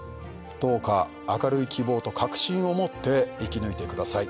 「どうか明るい希望と確信をもって生き抜いてください」